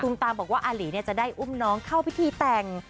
ตามบอกว่าอาหลีจะได้อุ้มน้องเข้าพิธีแต่ง